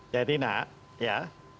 jadi nak ya